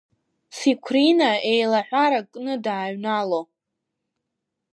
Циқәрина еилаҳәарак кны дааҩнало.